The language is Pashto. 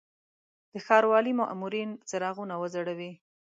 د ښاروالي مامورین څراغونه وځړوي.